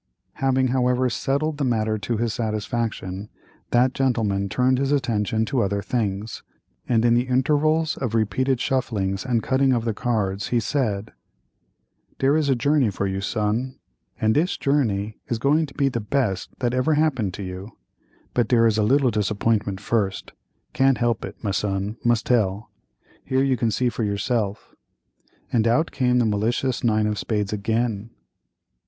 Having, however, settled the matter to his satisfaction, that gentleman turned his attention to other things, and in the intervals of repeated shufflings and cuttings of the cards he said: "Dere is a journey for you soon—and dis journey is going to be the best thing that ever happened to you—but dere is a little disappointment first—can't help it, my son, must tell—here you can see for yourself," and out came the malicious nine of spades again.